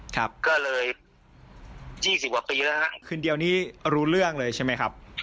แคบก็เลย๒๐วันมีเหลือครับคืนเดียวที่รู้เรื่องเลยใช่ไหมครับ